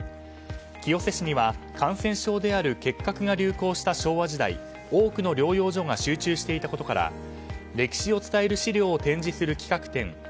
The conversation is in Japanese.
清瀬市には感染症である結核が流行した昭和時代多くの療養所が集中していたことから歴史を伝える資料を展示する企画展